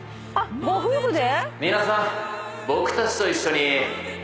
ご夫婦で？